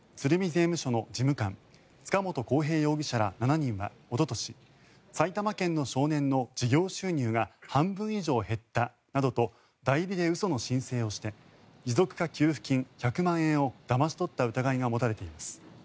税務署の事務官塚本晃平容疑者ら７人はおととし埼玉県の少年の事業収入が半分以上減ったなどと代理で嘘の申請をして持続化給付金１００万円をだまし取った疑いが持たれています。